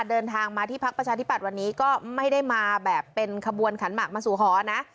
เดินทางมาที่พักประชาธิปัตย์วันนี้ก็ไม่ได้มาแบบเป็นขบวนขันหมากมาสู่หอนะ